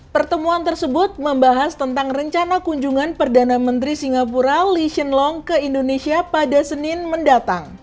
pertemuan tersebut membahas tentang rencana kunjungan perdana menteri singapura lee hsien long ke indonesia pada senin mendatang